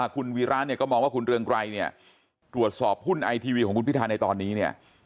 คุณวิราชก็มองว่าคุณเรืองไกรตรวจสอบหุ้นไอทีวีของคุณพิธาในตอนนี้